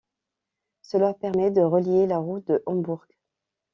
Cela permet de relier la route de Hambourg.